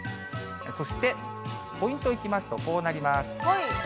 そしてポイントいきますとこうなります。